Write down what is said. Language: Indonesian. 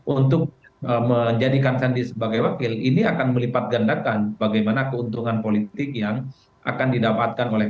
untuk menjadikan sandi sebagai wakil ini akan melipat gandakan bagaimana keuntungan politik yang akan didapatkan oleh